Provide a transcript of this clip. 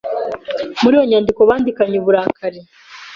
Muri iyo nyandiko bandikanye uburakari